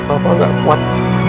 apa gak kuat